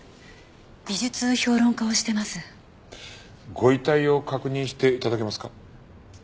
ご遺体を確認して頂けますか？